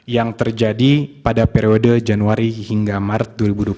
yang terjadi pada periode januari hingga maret dua ribu dua puluh